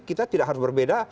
kita tidak harus berbeda